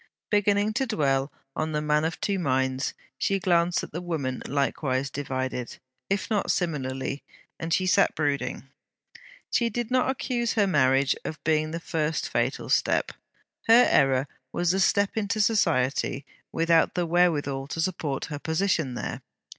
Beginning to dwell on THE MAN OF TWO MINDS, she glanced at the woman likewise divided, if not similarly; and she sat brooding. She did not accuse her marriage of being the first fatal step: her error was the step into Society without the wherewithal to support her position there.